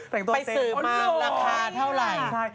เป็นสื่อบ้างราคาเท่าไหร่